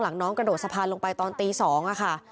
หลังน้องกระโดดสะพานลงไปตอนตี๒นี่